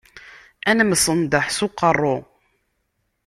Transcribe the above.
Ad nemsenḍaḥ s uqerru.